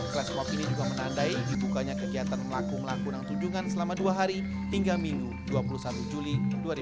fresh mop ini juga menandai dibukanya kegiatan melakukan tujuan selama dua hari hingga minggu dua puluh satu juli dua ribu sembilan belas